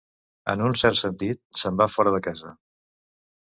En un cert sentit, se'n va fora de casa.